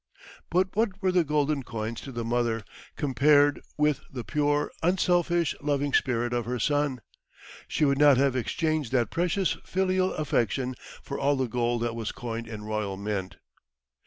But what were the golden coins to the mother, compared with the pure, unselfish, loving spirit of her son? She would not have exchanged that precious filial affection for all the gold that was coined in royal mint.